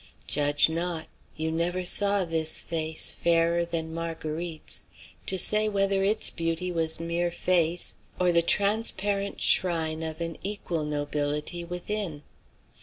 Judge not; you never saw this face, fairer than Marguerite's, to say whether its beauty was mere face, or the transparent shrine of an equal nobility within.